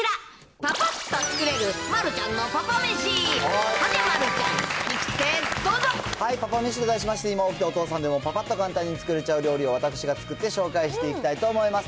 パパめしと題しまして、今、起きたお父さんでも、パパッと簡単に作れちゃう料理を私が作って紹介していきたいと思います。